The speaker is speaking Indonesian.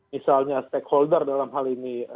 misalnya stakeholder dalam hal ini